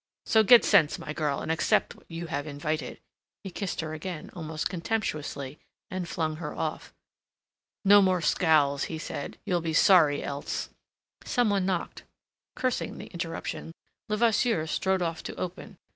So get sense, my girl, and accept what you have invited." He kissed her again, almost contemptuously, and flung her off. "No more scowls," he said. "You'll be sorry else." Some one knocked. Cursing the interruption, Levasseur strode off to open.